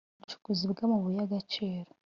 Ubucukuzi bw’ amabuye y’ agaciro